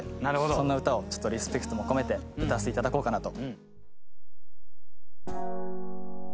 そんな歌をちょっとリスペクトも込めて歌わせて頂こうかなと。